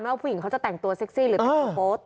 ไม่ว่าผู้หญิงเขาจะแต่งตัวเซ็กซี่หรือเปลี่ยนโบสถ์